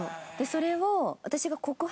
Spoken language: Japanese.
それを。